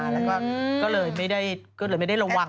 แล้วก็เลยไม่ได้ระวังไม่ได้อะไร